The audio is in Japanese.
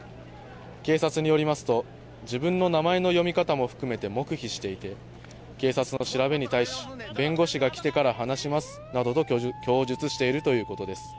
警察によりますと自分の名前の読み方も含めて黙秘していて、警察の調べに対し弁護士が来てから話しますなどと供述しているということです。